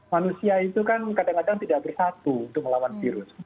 manusia itu kan kadang kadang tidak bersatu untuk melawan virus